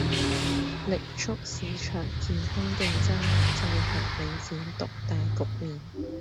力促市場健康競爭，制衡領展獨大局面